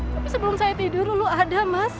tapi sebelum saya tidur dulu ada mas